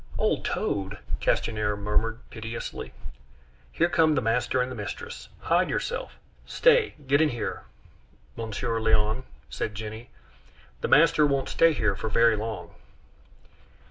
"Old toad!" Castanier murmured piteously. "Here come the master and mistress; hide yourself! Stay, get in here, Monsieur Léon," said Jenny. "The master won't stay here for very long."